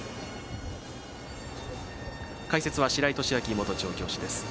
解説は白井寿昭元調教師です。